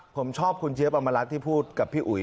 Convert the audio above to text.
ผมชอบคุณเจี๊ยบอมรัฐที่พูดกับพี่อุ๋ย